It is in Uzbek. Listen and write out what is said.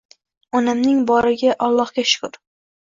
Onamning boriga Olloxga shkur